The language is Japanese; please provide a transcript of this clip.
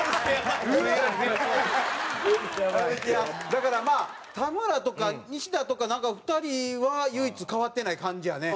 だからまあ田村とか西田とかなんか２人は唯一変わってない感じやね。